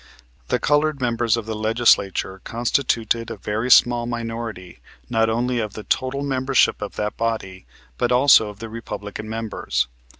The colored members of the Legislature constituted a very small minority not only of the total membership of that body but also of the Republican members.